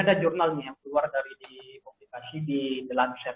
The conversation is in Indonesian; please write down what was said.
ada jurnal nih yang keluar dari dikomplikasi di the lancet